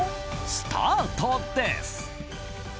スタートです。